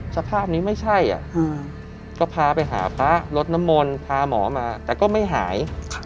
สภาพนี้ไม่ใช่ก็พาไปหาพระรถน้ำมนต์พาหมอมาแต่ก็ไม่หาย